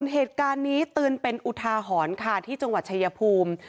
เหตุการณ์นี้เตือนเป็นอุทาหรณ์ค่ะที่จังหวัดชายภูมิ